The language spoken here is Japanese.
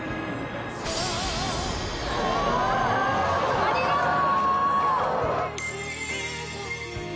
ありがとう！